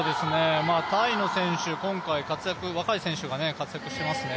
タイの選手、今回若い選手が活躍してますね。